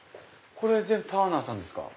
これ全部ターナーさんですか？